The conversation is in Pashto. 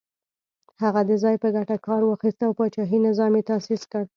هغه د ځان په ګټه کار واخیست او پاچاهي نظام یې تاسیس کړ.